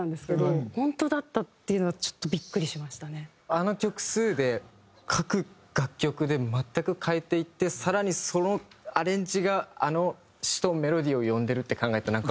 あの曲数で各楽曲で全く変えていって更にそのアレンジがあの詞とメロディーを呼んでるって考えたらなんか。